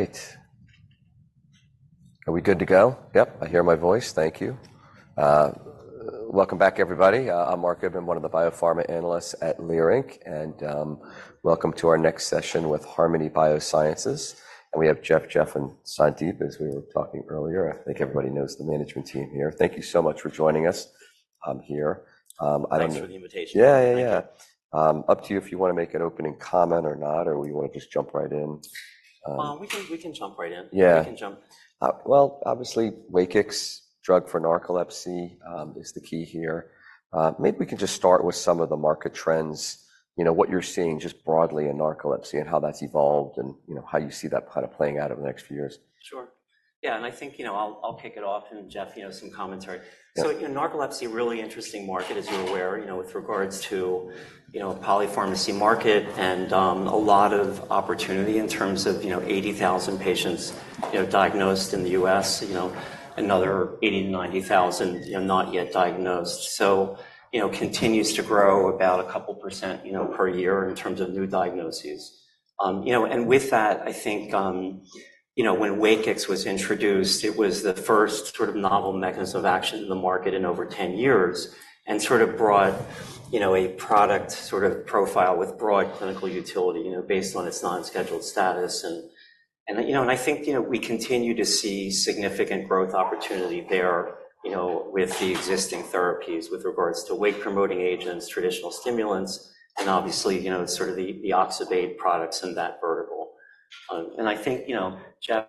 All right. Are we good to go? Yep, I hear my voice. Thank you. Welcome back, everybody. I'm Marc Goodman, one of the biopharma analysts at Leerink Partners, and welcome to our next session with Harmony Biosciences. And we have Jeff, Jeff, and Sandip, as we were talking earlier. I think everybody knows the management team here. Thank you so much for joining us here. I don't know. Thanks for the invitation. Yeah, yeah, yeah. Up to you if you want to make an opening comment or not, or we want to just jump right in. We can jump right in. Yeah. We can jump. Well, obviously, WAKIX, drug for narcolepsy, is the key here. Maybe we can just start with some of the market trends, you know, what you're seeing just broadly in narcolepsy and how that's evolved and, you know, how you see that kind of playing out over the next few years. Sure. Yeah. I think, you know, I'll kick it off, and Jeff, you know, some commentary. Yeah. So, you know, narcolepsy, really interesting market, as you're aware, you know, with regards to, you know, polypharmacy market and, a lot of opportunity in terms of, you know, 80,000 patients, you know, diagnosed in the U.S., you know, another 80,000 to 90,000, you know, not yet diagnosed. So, you know, continues to grow about a couple%, you know, per year in terms of new diagnoses. You know, and with that, I think, you know, when WAKIX was introduced, it was the first sort of novel mechanism of action in the market in over 10 years and sort of brought, you know, a product sort of profile with broad clinical utility, you know, based on its non-scheduled status and, and, you know, and I think, you know, we continue to see significant growth opportunity there, you know, with the existing therapies with regards to wake-promoting agents, traditional stimulants, and obviously, you know, sort of the, the oxybate products in that vertical. And I think, you know, Jeff,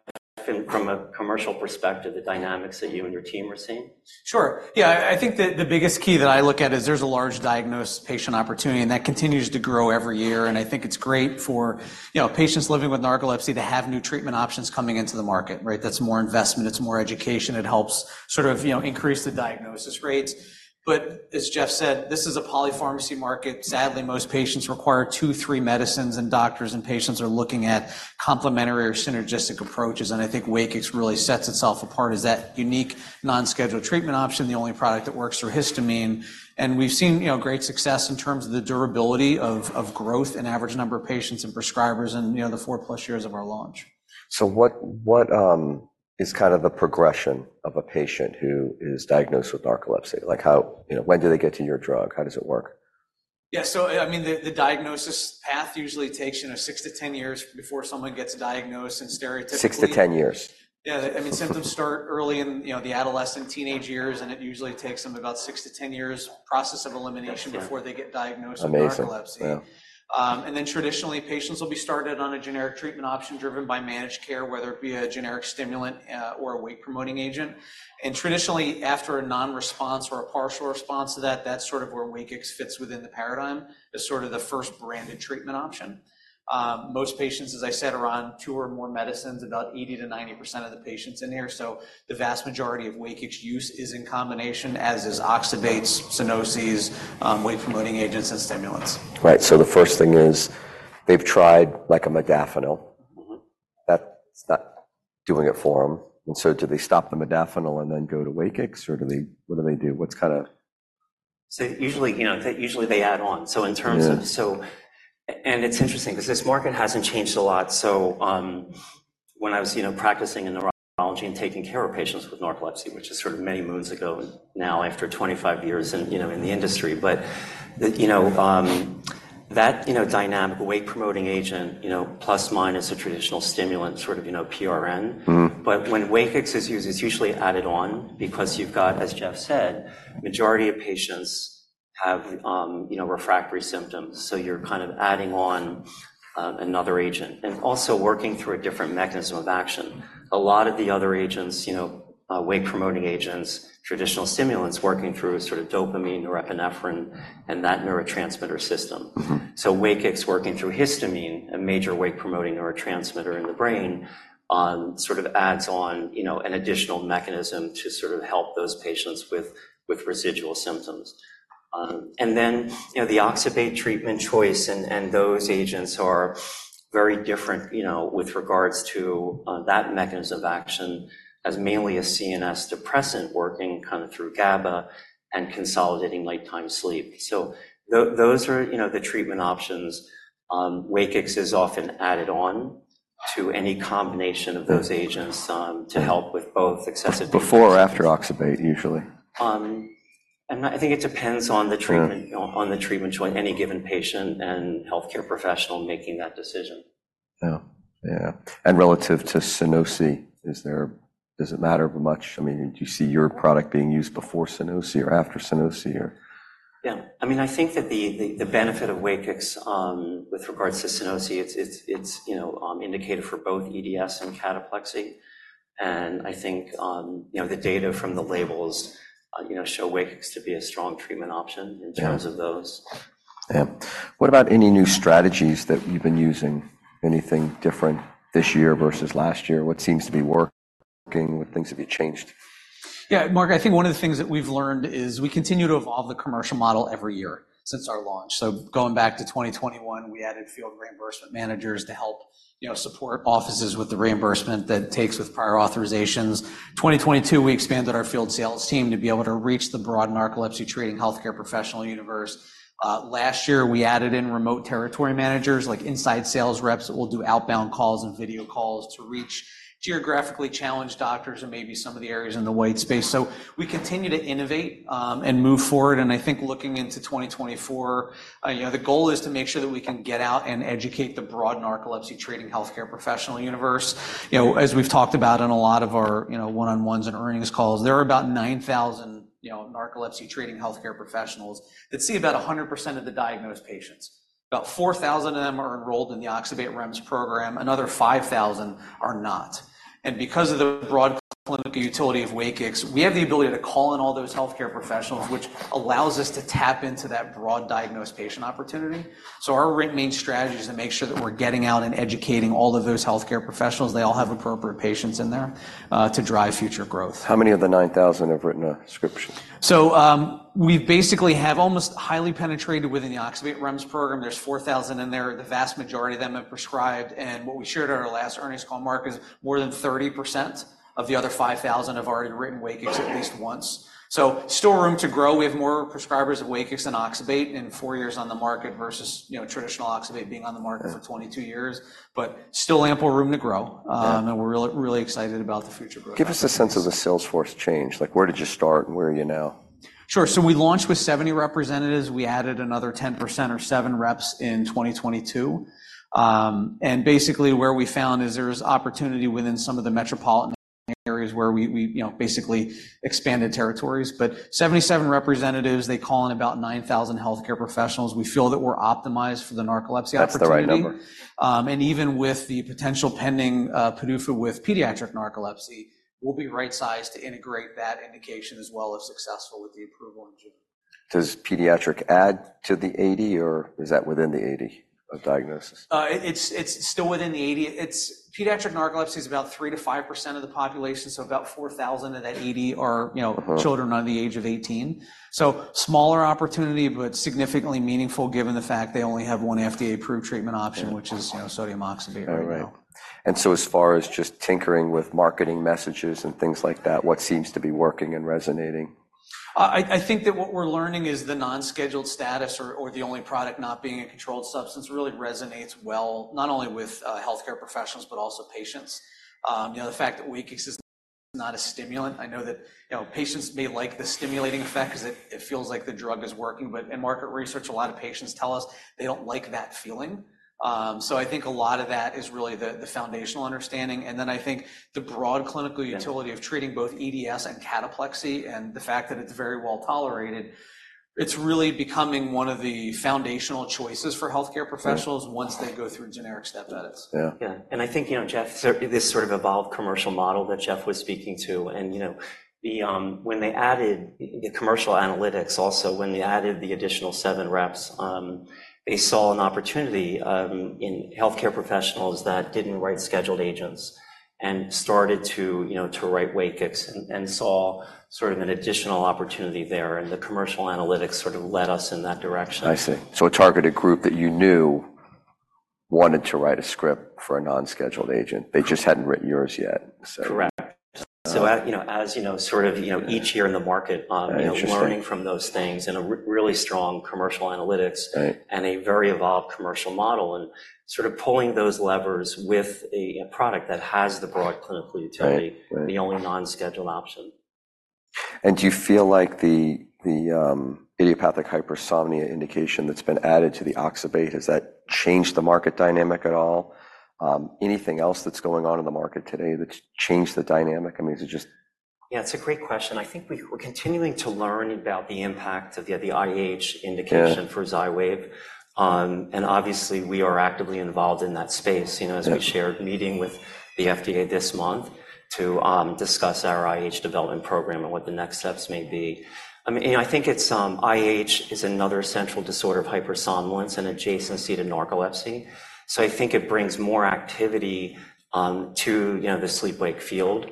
and from a commercial perspective, the dynamics that you and your team are seeing. Sure. Yeah. I, I think that the biggest key that I look at is there's a large diagnosed patient opportunity, and that continues to grow every year. And I think it's great for, you know, patients living with narcolepsy to have new treatment options coming into the market, right? That's more investment. It's more education. It helps sort of, you know, increase the diagnosis rates. But as Jeff said, this is a polypharmacy market. Sadly, most patients require two, three medicines, and doctors and patients are looking at complementary or synergistic approaches. And I think WAKIX really sets itself apart as that unique non-scheduled treatment option, the only product that works for histamine. And we've seen, you know, great success in terms of the durability of, of growth, an average number of patients and prescribers, and, you know, the four plus years of our launch. So what is kind of the progression of a patient who is diagnosed with narcolepsy? Like, how, you know, when do they get to your drug? How does it work? Yeah. So, I mean, the diagnosis path usually takes, you know, six to 10 years before someone gets diagnosed, and stereotypically. six to 10 years. Yeah. I mean, symptoms start early in, you know, the adolescent, teenage years, and it usually takes them about six to 10 years process of elimination before they get diagnosed with narcolepsy. Amazing. Yeah. Then traditionally, patients will be started on a generic treatment option driven by managed care, whether it be a generic stimulant, or a wake-promoting agent. Traditionally, after a non-response or a partial response to that, that's sort of where WAKIX fits within the paradigm as sort of the first branded treatment option. Most patients, as I said, are on two or more medicines, about 80%-90% of the patients here. So the vast majority of WAKIX use is in combination, as is oxybates, Sunosi, wake-promoting agents, and stimulants. Right. So the first thing is, they've tried, like, a modafinil. Mm-hmm. That's not doing it for them. So do they stop the modafinil and then go to WAKIX, or what do they do? What's kind of. Usually, you know, usually they add on. So in terms of. Yeah. So, and it's interesting because this market hasn't changed a lot. So, when I was, you know, practicing in neurology and taking care of patients with narcolepsy, which is sort of many moons ago now after 25 years in, you know, in the industry, but the, you know, that, you know, dynamic, wake-promoting agent, you know, plus-minus a traditional stimulant, sort of, you know, PRN. Mm-hmm. But when WAKIX is used, it's usually added on because you've got, as Jeff said, majority of patients have, you know, refractory symptoms. So you're kind of adding on, another agent and also working through a different mechanism of action. A lot of the other agents, you know, wake-promoting agents, traditional stimulants, working through sort of dopamine, norepinephrine, and that neurotransmitter system. So WAKIX working through histamine, a major wake-promoting neurotransmitter in the brain, sort of adds on, you know, an additional mechanism to sort of help those patients with residual symptoms. And then, you know, the oxybate treatment choice and those agents are very different, you know, with regards to that mechanism of action as mainly a CNS depressant working kind of through GABA and consolidating nighttime sleep. So those are, you know, the treatment options. WAKIX is often added on to any combination of those agents, to help with both excessive. Before or after oxybate, usually? I think it depends on the treatment choice, any given patient and healthcare professional making that decision. Yeah. Yeah. And relative to Sunosi, is there does it matter much? I mean, do you see your product being used before Sunosi or after Sunosi, or? Yeah. I mean, I think that the benefit of WAKIX, with regards to narcolepsy, it's, you know, indicative for both EDS and cataplexy. And I think, you know, the data from the labels, you know, show WAKIX to be a strong treatment option in terms of those. Yeah. Yeah. What about any new strategies that you've been using? Anything different this year versus last year? What seems to be working? What things have you changed? Yeah. Marc, I think one of the things that we've learned is we continue to evolve the commercial model every year since our launch. So going back to 2021, we added field reimbursement managers to help, you know, support offices with the reimbursement that takes with prior authorizations. 2022, we expanded our field sales team to be able to reach the broad narcolepsy treating healthcare professional universe. Last year, we added in remote territory managers, like inside sales reps that will do outbound calls and video calls to reach geographically challenged doctors and maybe some of the areas in the white space. So we continue to innovate, and move forward. And I think looking into 2024, you know, the goal is to make sure that we can get out and educate the broad narcolepsy treating healthcare professional universe. You know, as we've talked about in a lot of our, you know, one-on-ones and earnings calls, there are about 9,000, you know, narcolepsy-treating healthcare professionals that see about 100% of the diagnosed patients. About 4,000 of them are enrolled in the oxybate REMS program. Another 5,000 are not. And because of the broad clinical utility of WAKIX, we have the ability to call in all those healthcare professionals, which allows us to tap into that broad diagnosed patient opportunity. So our main strategy is to make sure that we're getting out and educating all of those healthcare professionals. They all have appropriate patients in there to drive future growth. How many of the 9,000 have written a prescription? So, we basically have almost highly penetrated within the oxybate REMS program. There's 4,000 in there. The vast majority of them have prescribed. And what we shared at our last earnings call, Marc, is more than 30% of the other 5,000 have already written WAKIX at least once. So still room to grow. We have more prescribers of WAKIX than oxybate in four years on the market versus, you know, traditional oxybate being on the market for 22 years, but still ample room to grow. And we're really, really excited about the future growth. Give us a sense of the sales force change. Like, where did you start, and where are you now? Sure. So we launched with 70 representatives. We added another 10% or 7 reps in 2022. And basically, where we found is there's opportunity within some of the metropolitan areas where we, you know, basically expanded territories. But 77 representatives, they call in about 9,000 healthcare professionals. We feel that we're optimized for the narcolepsy opportunity. That's the right number. Even with the potential pending PDUFA with pediatric narcolepsy, we'll be right-sized to integrate that indication as well as successful with the approval in June. Does pediatric add to the 80, or is that within the 80 of diagnosis? It's still within the 80. It's pediatric narcolepsy is about 3%-5% of the population. So about 4,000 of that 80 are, you know, children under the age of 18. So smaller opportunity, but significantly meaningful given the fact they only have one FDA-approved treatment option, which is, you know, sodium oxybate. All right. And so as far as just tinkering with marketing messages and things like that, what seems to be working and resonating? I think that what we're learning is the non-scheduled status or the only product not being a controlled substance really resonates well, not only with healthcare professionals, but also patients. You know, the fact that WAKIX is not a stimulant. I know that, you know, patients may like the stimulating effect because it feels like the drug is working. But in market research, a lot of patients tell us they don't like that feeling. So I think a lot of that is really the foundational understanding. And then I think the broad clinical utility of treating both EDS and cataplexy and the fact that it's very well tolerated; it's really becoming one of the foundational choices for healthcare professionals once they go through generic step edits. Yeah. Yeah. And I think, you know, Jeff, this sort of evolved commercial model that Jeff was speaking to. And, you know, the, when they added the commercial analytics also, when they added the additional 7 reps, they saw an opportunity, in healthcare professionals that didn't write scheduled agents and started to, you know, to write WAKIX and, and saw sort of an additional opportunity there. And the commercial analytics sort of led us in that direction. I see. So a targeted group that you knew wanted to write a script for a non-scheduled agent. They just hadn't written yours yet, so. Correct. So, you know, as you know, sort of, you know, each year in the market, you know, learning from those things and a really strong commercial analytics. Right. A very evolved commercial model and sort of pulling those levers with a product that has the broad clinical utility. Right. Right. The only non-scheduled option. Do you feel like the idiopathic hypersomnia indication that's been added to the oxybate, has that changed the market dynamic at all? Anything else that's going on in the market today that's changed the dynamic? I mean, is it just. Yeah. It's a great question. I think we're continuing to learn about the impact of, you know, the IH indication for Xywav. And obviously, we are actively involved in that space, you know, as we shared, meeting with the FDA this month to discuss our IH development program and what the next steps may be. I mean, you know, I think it's IH is another central disorder of hypersomnolence and adjacent to narcolepsy. So I think it brings more activity to, you know, the sleep-wake field.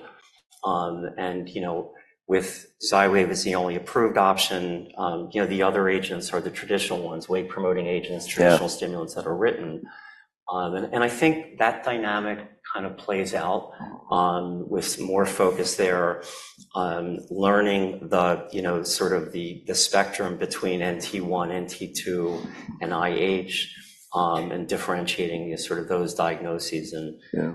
And, you know, with Xywav as the only approved option, you know, the other agents are the traditional ones, wake-promoting agents, traditional stimulants that are written. And I think that dynamic kind of plays out with more focus there, learning the, you know, sort of the spectrum between NT1, NT2, and IH, and differentiating, you know, sort of those diagnoses. And. Yeah.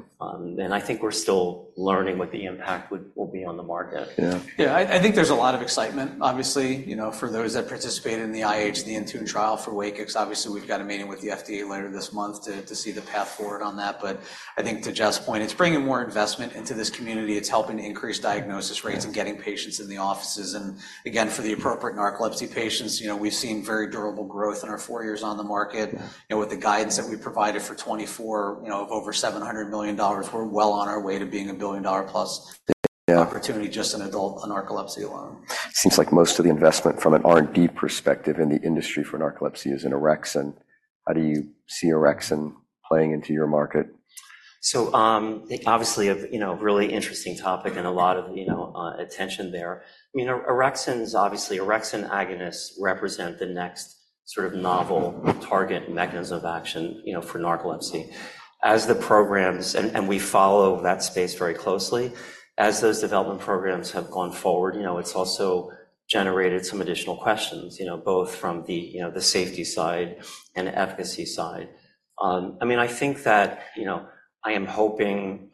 I think we're still learning what the impact would, will be on the market. Yeah. Yeah. I, I think there's a lot of excitement, obviously, you know, for those that participate in the IH, the INTUNE trial for WAKIX. Obviously, we've got a meeting with the FDA later this month to, to see the path forward on that. But I think, to Jeff's point, it's bringing more investment into this community. It's helping increase diagnosis rates and getting patients in the offices. And again, for the appropriate narcolepsy patients, you know, we've seen very durable growth in our four years on the market. You know, with the guidance that we provided for 2024, you know, of over $700 million, we're well on our way to being a billion-dollar-plus opportunity just in adult narcolepsy alone. Seems like most of the investment from an R&D perspective in the industry for narcolepsy is in orexin. How do you see orexin playing into your market? So, obviously, a, you know, really interesting topic and a lot of, you know, attention there. I mean, orexin's obviously, orexin agonists represent the next sort of novel target mechanism of action, you know, for narcolepsy. As the programs and, and we follow that space very closely, as those development programs have gone forward, you know, it's also generated some additional questions, you know, both from the, you know, the safety side and the efficacy side. I mean, I think that, you know, I am hoping,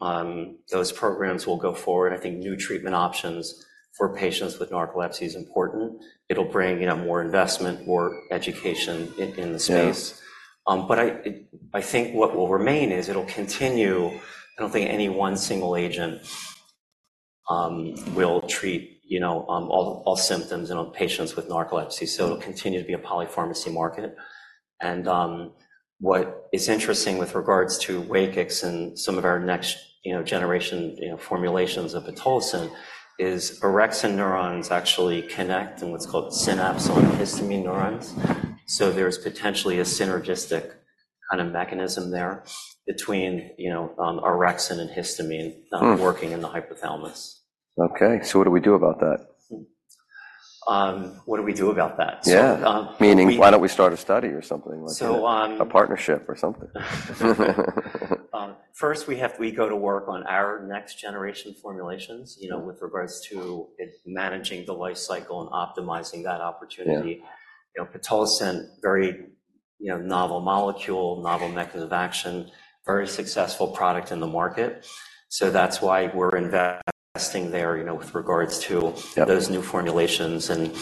those programs will go forward. I think new treatment options for patients with narcolepsy is important. It'll bring, you know, more investment, more education in, in the space. Yeah. I, I think what will remain is it'll continue. I don't think any one single agent will treat, you know, all, all symptoms in all patients with narcolepsy. So it'll continue to be a polypharmacy market. And what is interesting with regards to WAKIX and some of our next, you know, generation, you know, formulations of pitolisant is orexin neurons actually connect in what's called synapse on histamine neurons. So there's potentially a synergistic kind of mechanism there between, you know, orexin and histamine, working in the hypothalamus. Okay. What do we do about that? What do we do about that? Yeah. Meaning, why don't we start a study or something like that? So, A partnership or something. First, we go to work on our next-generation formulations, you know, with regards to managing the life cycle and optimizing that opportunity. Yeah. You know, pitolisant, very, you know, novel molecule, novel mechanism of action, very successful product in the market. So that's why we're investing there, you know, with regards to those new formulations and,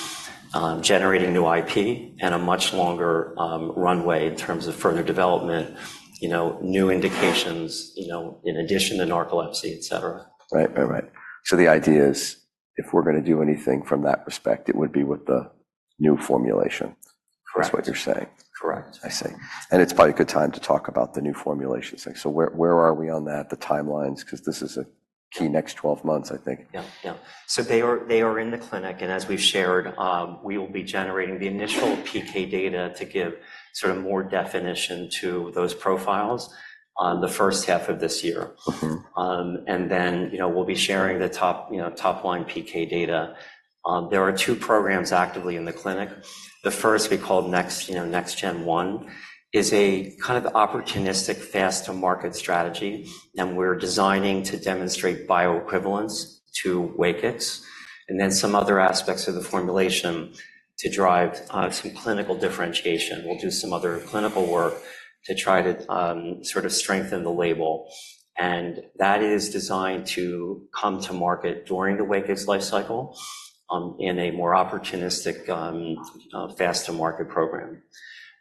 generating new IP and a much longer, runway in terms of further development, you know, new indications, you know, in addition to narcolepsy, etc. Right. Right. Right. So the idea is, if we're going to do anything from that respect, it would be with the new formulation. Correct. That's what you're saying. Correct. I see. It's probably a good time to talk about the new formulations. Where, where are we on that? The timelines? Because this is a key next 12 months, I think. Yeah. Yeah. So they are in the clinic. And as we've shared, we will be generating the initial PK data to give sort of more definition to those profiles in the first half of this year. Mm-hmm. and then, you know, we'll be sharing the top, you know, top-line PK data. There are two programs actively in the clinic. The first, we call Next, you know, NextGen One, is a kind of opportunistic fast-to-market strategy. And we're designing to demonstrate bioequivalence to WAKIX and then some other aspects of the formulation to drive, some clinical differentiation. We'll do some other clinical work to try to, sort of strengthen the label. And that is designed to come to market during the WAKIX life cycle, in a more opportunistic, fast-to-market program.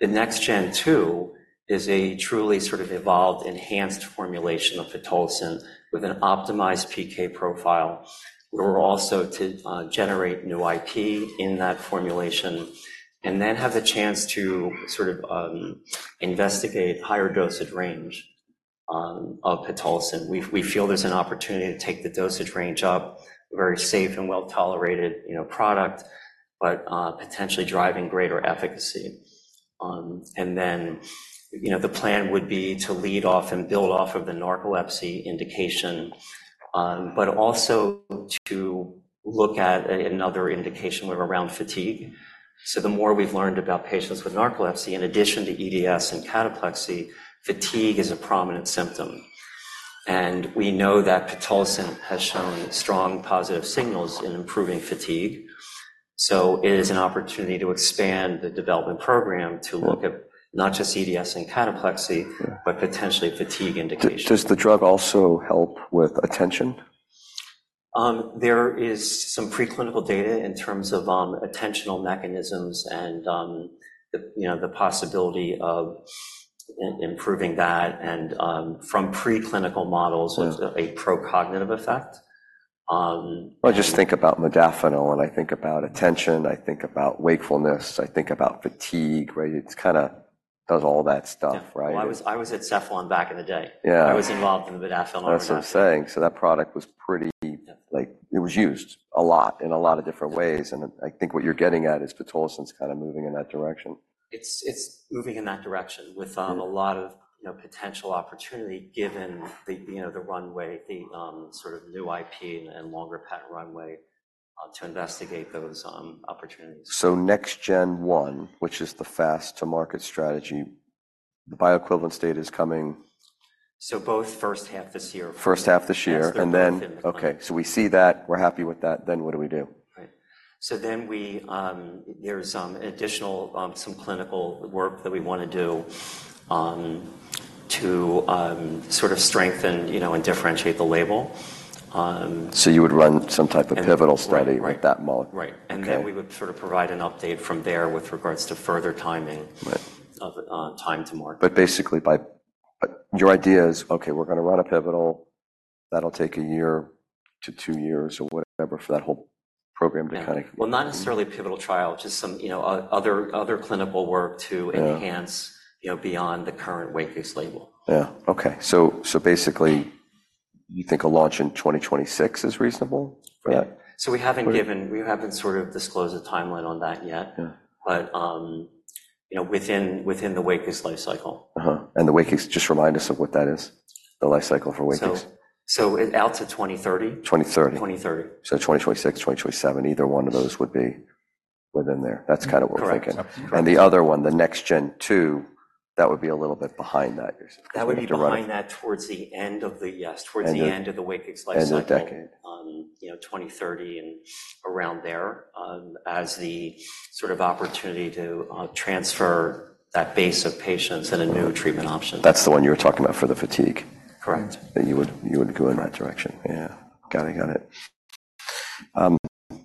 The NextGen Two is a truly sort of evolved, enhanced formulation of pitolisant with an optimized PK profile where we're also to, generate new IP in that formulation and then have the chance to sort of, investigate higher dosage range, of pitolisant. We feel there's an opportunity to take the dosage range up, a very safe and well-tolerated, you know, product, but, potentially driving greater efficacy. And then, you know, the plan would be to lead off and build off of the narcolepsy indication, but also to look at another indication of around fatigue. So the more we've learned about patients with narcolepsy, in addition to EDS and cataplexy, fatigue is a prominent symptom. And we know that pitolisant has shown strong positive signals in improving fatigue. So it is an opportunity to expand the development program to look at not just EDS and cataplexy, but potentially fatigue indication. Does the drug also help with attention? There is some preclinical data in terms of attentional mechanisms and the, you know, the possibility of improving that and from preclinical models with a procognitive effect. Well, I just think about modafinil, and I think about attention. I think about wakefulness. I think about fatigue, right? It kind of does all that stuff, right? Yeah. Well, I was at Cephalon back in the day. Yeah. I was involved in the modafinil and that. That's what I'm saying. That product was pretty, like, it was used a lot in a lot of different ways. I think what you're getting at is pitolisant's kind of moving in that direction. It's, it's moving in that direction with a lot of, you know, potential opportunity given the, you know, the runway, the sort of new IP and longer patent runway to investigate those opportunities. NextGen One, which is the fast-to-market strategy, the bioequivalence date is coming. So both first half this year. First half this year. And then. That's the first half of next year. Okay. So we see that. We're happy with that. Then what do we do? Right. So then there's some additional clinical work that we want to do to sort of strengthen, you know, and differentiate the label. You would run some type of pivotal study with that molecule. Right. Right. And then we would sort of provide an update from there with regards to further timing. Right. Of time to market. But basically, your idea is, okay, we're going to run a pivotal. That'll take 1-2 years or whatever for that whole program to kind of. Yeah. Well, not necessarily a pivotal trial, just some, you know, other clinical work to enhance, you know, beyond the current WAKIX label. Yeah. Okay. So, so basically, you think a launch in 2026 is reasonable for that? Yeah. So we haven't sort of disclosed a timeline on that yet. Yeah. You know, within the WAKIX life cycle. Uh-huh. And the WAKIX, just remind us of what that is, the life cycle for WAKIX. So, it's out to 2030. 2030. 2030. 2026, 2027, either one of those would be within there. That's kind of what we're thinking. Correct. And the other one, the NextGen Two, that would be a little bit behind that, you're saying? That would be behind that towards the end of the year, towards the end of the WAKIX life cycle. End of decade. You know, 2030 and around there, as the sort of opportunity to transfer that base of patients and a new treatment option. That's the one you were talking about for the fatigue. Correct. That you would go in that direction. Yeah. Got it. Got it.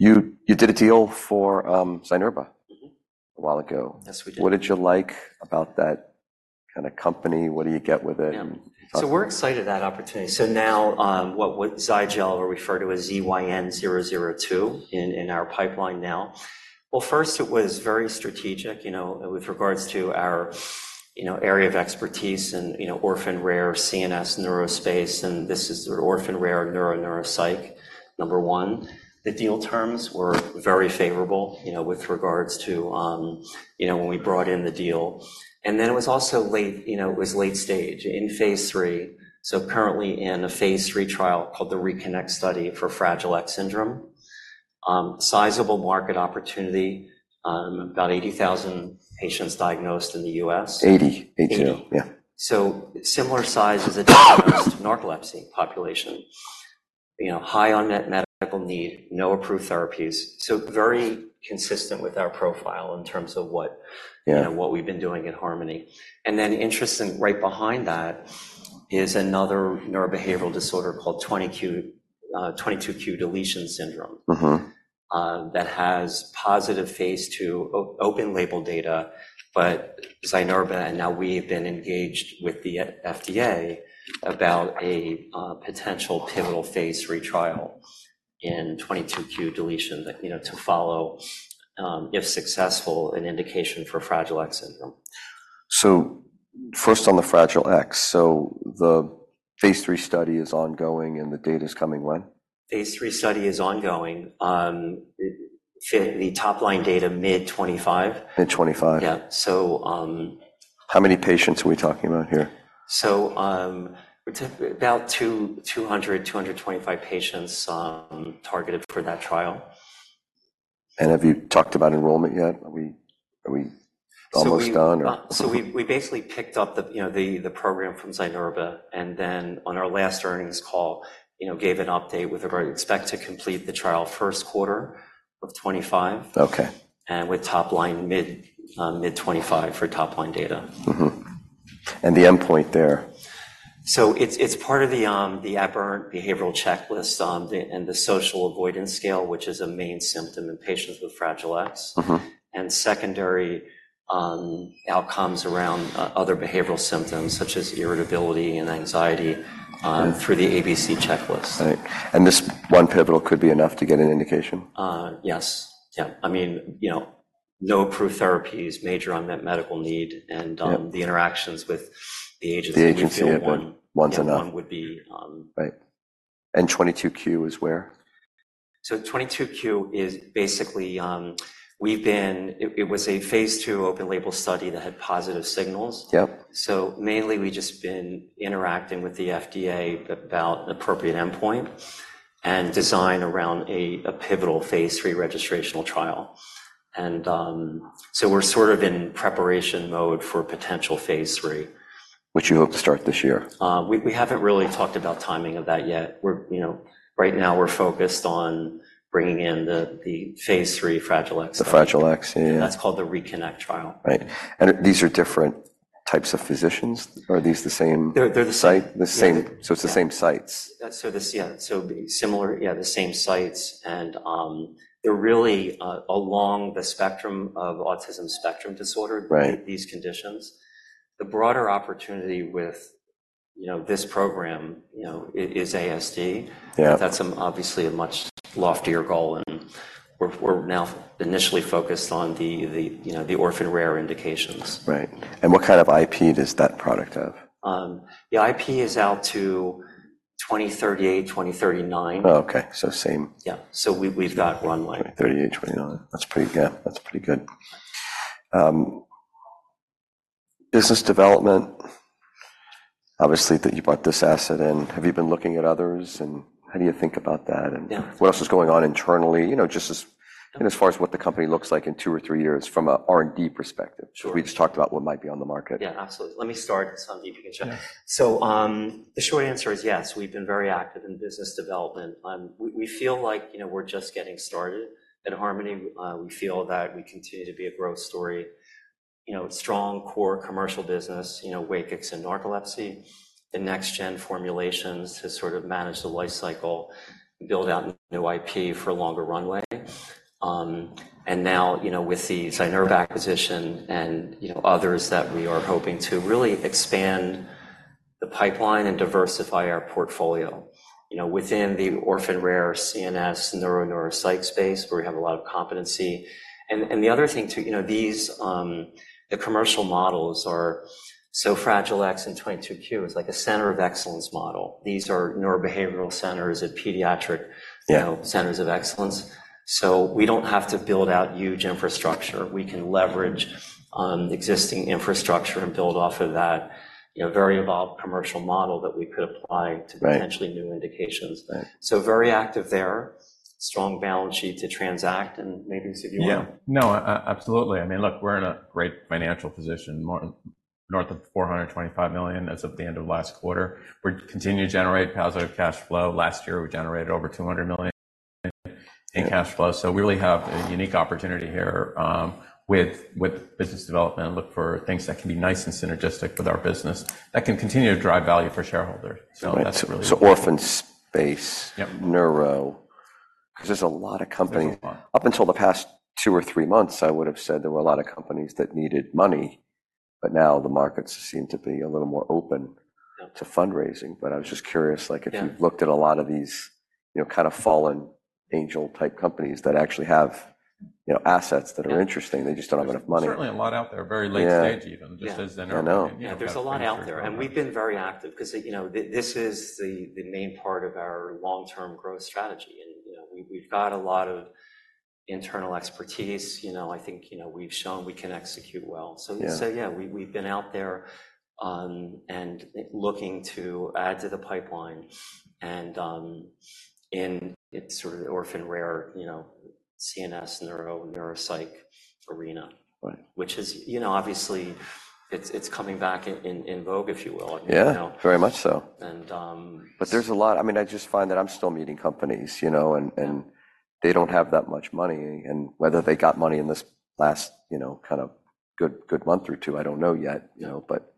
You did a deal for Zynerba. Mm-hmm. A while ago. Yes, we did. What did you like about that kind of company? What do you get with it? Yeah. So we're excited about that opportunity. So now, what we refer to as Zygel, ZYN002 in our pipeline now. Well, first, it was very strategic, you know, with regards to our, you know, area of expertise and, you know, orphan rare CNS neurospace. And this is sort of orphan rare neuropsych, number one. The deal terms were very favorable, you know, with regards to, you know, when we brought in the deal. And then it was also late, you know, it was late-stage in phase 3. So currently in a phase 3 trial called the RECONNECT Study for Fragile X syndrome. Sizable market opportunity, about 80,000 patients diagnosed in the U.S. 80. 80. 80. Yeah. So similar size as a diagnosed narcolepsy population, you know, high unmet medical need, no approved therapies. So very consistent with our profile in terms of what, you know, what we've been doing at Harmony. And then interesting right behind that is another neurobehavioral disorder called 22q deletion syndrome. Mm-hmm. that has positive phase 2 open-label data, but Zynerba, and now we have been engaged with the FDA about potential pivotal phase 3 trial in 22q deletion that, you know, to follow, if successful, an indication for Fragile X syndrome. So first on the Fragile X. So the phase 3 study is ongoing, and the data's coming when? phase 3 study is ongoing. The top-line data, mid-2025. Mid-'25. Yeah. So, How many patients are we talking about here? We're talking about 200-225 patients targeted for that trial. Have you talked about enrollment yet? Are we almost done or? So we basically picked up, you know, the program from Zynerba and then on our last earnings call, you know, gave an update with regards to expect to complete the trial first quarter of 2025. Okay. With top-line mid, mid-2025 for top-line data. Mm-hmm. And the endpoint there? So it's part of the Aberrant Behavior Checklist and the social avoidance scale, which is a main symptom in patients with Fragile X. Mm-hmm. Secondary outcomes around other behavioral symptoms, such as irritability and anxiety, through the ABC checklist. Right. This one pivotal could be enough to get an indication? Yes. Yeah. I mean, you know, no approved therapies, major unmet medical need, and the interactions with the agency would be. The agency would be one, one's enough. One would be, Right. And 22q is where? So 22q is basically, it was a phase 2 open-label study that had positive signals. Yep. So mainly, we've just been interacting with the FDA about an appropriate endpoint and design around a pivotal phase 3 registrational trial. And so we're sort of in preparation mode for potential phase 3. Which you hope to start this year. We haven't really talked about timing of that yet. We're, you know, right now, we're focused on bringing in the phase three Fragile X. The Fragile X. Yeah. That's called the RECONNECT Trial. Right. These are different types of physicians? Are these the same? They're the same. Site, the same so it's the same sites. So this, yeah. So similar, yeah, the same sites. And they're really along the spectrum of autism spectrum disorder. Right. These conditions. The broader opportunity with, you know, this program, you know, is ASD. Yeah. That's obviously a much loftier goal. And we're now initially focused on the, you know, the orphan rare indications. Right. And what kind of IP does that product have? The IP is out to 2038, 2039. Oh, okay. So same. Yeah. So we, we've got runway. Right. 38, 29. That's pretty, yeah. That's pretty good. Business development, obviously, that you brought this asset in. Have you been looking at others? And how do you think about that? And what else is going on internally, you know, just as you know, as far as what the company looks like in two or three years from a R&D perspective? Sure. We just talked about what might be on the market. Yeah. Absolutely. Let me start something you can check. So, the short answer is yes. We've been very active in business development. We feel like, you know, we're just getting started at Harmony. We feel that we continue to be a growth story, you know, strong core commercial business, you know, WAKIX and narcolepsy. The NextGen formulations to sort of manage the life cycle, build out new IP for longer runway. And now, you know, with the Zynerba acquisition and, you know, others that we are hoping to really expand the pipeline and diversify our portfolio, you know, within the orphan rare CNS neuropsych space where we have a lot of competency. And the other thing too, you know, these, the commercial models are so Fragile X and 22q is like a center of excellence model. These are neurobehavioral centers at pediatric, you know, centers of excellence. We don't have to build out huge infrastructure. We can leverage existing infrastructure and build off of that, you know, very evolved commercial model that we could apply to potentially new indications. Right. So very active there, strong balance sheet to transact. And maybe, Jeff, you want to. Yeah. No, absolutely. I mean, look, we're in a great financial position, north of $425 million as of the end of last quarter. We continue to generate positive cash flow. Last year, we generated over $200 million in cash flow. So we really have a unique opportunity here, with business development, look for things that can be nice and synergistic with our business that can continue to drive value for shareholders. So that's really. Right. So orphan space. Yep. Neuro. Because there's a lot of companies. There's a lot. Up until the past two or three months, I would have said there were a lot of companies that needed money. But now, the markets seem to be a little more open to fundraising. But I was just curious, like, if you've looked at a lot of these, you know, kind of fallen angel type companies that actually have, you know, assets that are interesting, they just don't have enough money. There's certainly a lot out there, very late stage even, just as Zynerba. Yeah. Yeah. There's a lot out there. We've been very active because, you know, this is the main part of our long-term growth strategy. You know, we've got a lot of internal expertise. You know, I think, you know, we've shown we can execute well. So yeah, we've been out there and looking to add to the pipeline. It's sort of the orphan rare, you know, CNS neuropsych arena. Right. Which is, you know, obviously, it's coming back in vogue, if you will. Yeah. You know? Very much so. And, But there's a lot I mean, I just find that I'm still meeting companies, you know, and they don't have that much money. And whether they got money in this last, you know, kind of good month or two, I don't know yet, you know. But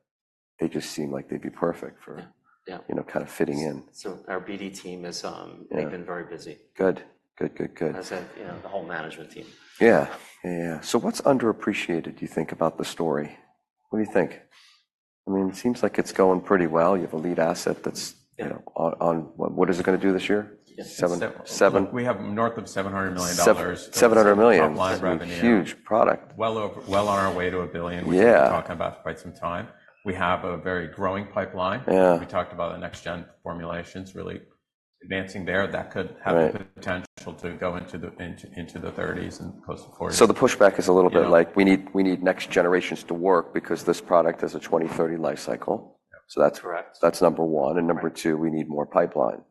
they just seem like they'd be perfect for. Yeah. Yeah. You know, kind of fitting in. Our BD team, they've been very busy. Good. Good, good, good. As in, you know, the whole management team. Yeah. Yeah, yeah. So what's underappreciated, do you think, about the story? What do you think? I mean, it seems like it's going pretty well. You have a lead asset that's, you know, on, on what is it going to do this year? Yes. Seven? Seven? We have north of $700 million. $700 million. Top-line revenue. Huge product. We're well on our way to $1 billion. Yeah. We've been talking about it for quite some time. We have a very growing pipeline. Yeah. We talked about the NextGen formulations, really advancing there. That could have the potential to go into the 30s and close to 40s. So the pushback is a little bit like, "We need next generations to work because this product has a 2030 life cycle. Yeah. Correct. That's number one. Number two, we need more pipeline.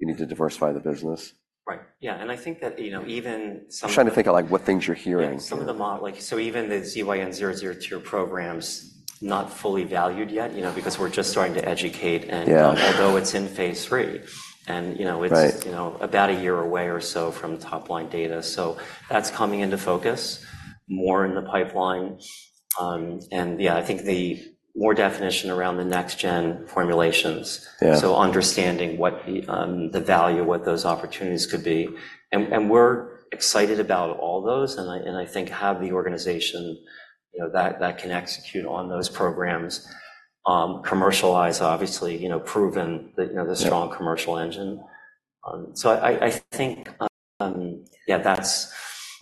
We need to diversify the business. Right. Yeah. And I think that, you know, even some. I'm trying to think of, like, what things you're hearing. Yeah. Some of the modafinil like, so even the ZYN002 program's not fully valued yet, you know, because we're just starting to educate. And although it's in phase 3 and, you know, it's, you know, about a year away or so from top-line data. So that's coming into focus more in the pipeline. And yeah, I think the more definition around the NextGen formulations. Yeah. So, understanding what the value, what those opportunities could be. And we're excited about all those. And I think have the organization, you know, that can execute on those programs, commercialize, obviously, you know, proven the, you know, the strong commercial engine. So I think, yeah, that's.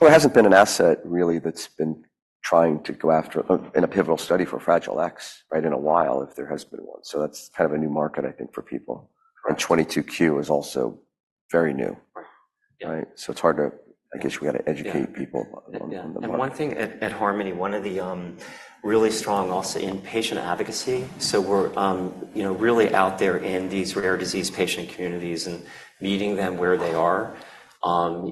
Well, it hasn't been an asset, really, that's been trying to go after in a pivotal study for Fragile X, right, in a while if there has been one. So that's kind of a new market, I think, for people. And 22q is also very new. Right. Yeah. Right? So it's hard to, I guess, we got to educate people on the market. One thing at Harmony, one of the really strong also in patient advocacy. So we're, you know, really out there in these rare disease patient communities and meeting them where they are,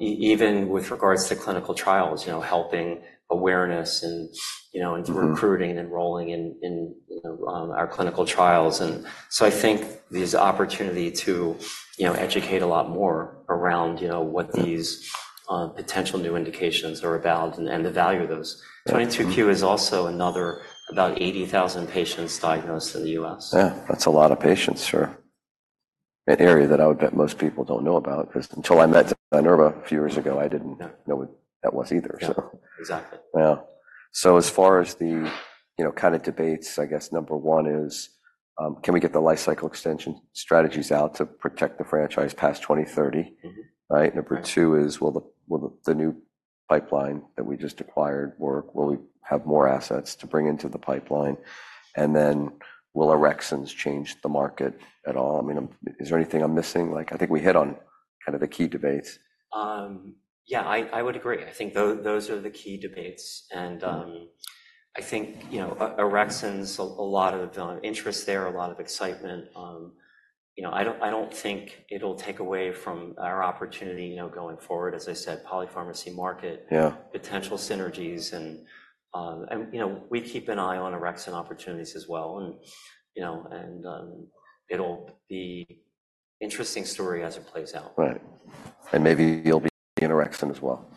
even with regards to clinical trials, you know, helping awareness and, you know, and recruiting and enrolling in, in, you know, our clinical trials. And so I think there's opportunity to, you know, educate a lot more around, you know, what these potential new indications are about and, and the value of those. 22Q is also another about 80,000 patients diagnosed in the U.S. Yeah. That's a lot of patients, sure. An area that I would bet most people don't know about because until I met Zynerba a few years ago, I didn't know what that was either, so. Yeah. Exactly. Yeah. So as far as the, you know, kind of debates, I guess number one is, can we get the life cycle extension strategies out to protect the franchise past 2030? Mm-hmm. Right? Number two is, will the new pipeline that we just acquired work? Will we have more assets to bring into the pipeline? And then will orexins change the market at all? I mean, is there anything I'm missing? Like, I think we hit on kind of the key debates. Yeah. I would agree. I think those are the key debates. I think, you know, orexins, a lot of interest there, a lot of excitement. You know, I don't think it'll take away from our opportunity, you know, going forward, as I said, polypharmacy market. Yeah. Potential synergies. You know, we keep an eye on orexin opportunities as well. You know, it'll be an interesting story as it plays out. Right. And maybe you'll be in orexin as well.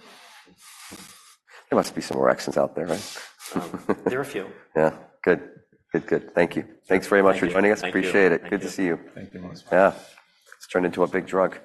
There must be some orexins out there, right? There are a few. Yeah. Good. Good, good. Thank you. Thanks very much for joining us. Appreciate it. Good to see you. Thank you so much. Yeah. It's turned into a big drug.